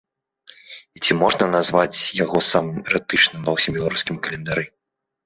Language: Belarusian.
І ці можна назваць яго самым эратычным ва ўсім беларускім календары?